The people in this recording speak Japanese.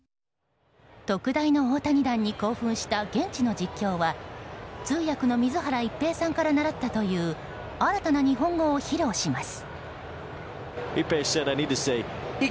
特大の大谷弾に興奮した現地の実況は通訳の水原一平さんから習ったという新たな日本語を披露します。